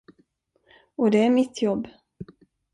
Och det är mitt jobb.